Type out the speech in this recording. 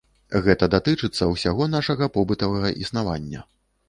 Гэта датычыцца ўсяго нашага побытавага існавання.